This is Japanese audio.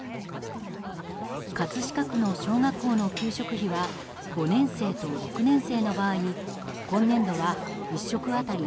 葛飾区の小学校の給食費は５年生と６年生の場合、今年度は１食当たり